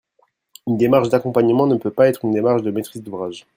Une démarche d’accompagnement ne peut pas être une démarche de maîtrise d’ouvrage.